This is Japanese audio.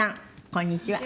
こんにちは。